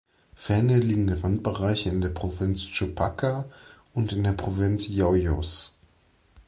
Ferner liegen Randbereiche in der Provinz Chupaca und in der Provinz Yauyos.